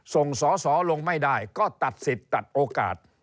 ส่งสอสอลงไม่ได้ก็ตัดสิทธิ์ตัดโอกาส